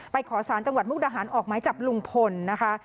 ขอสารจังหวัดมุกดาหารออกไม้จับลุงพลนะคะ